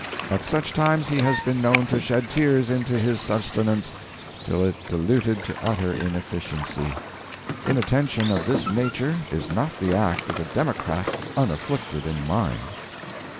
At such times he has been known to shed tears into his sustenance till it diluted to utter inefficiency. Inattention of this nature is not the act of a Democrat unafflicted in mind.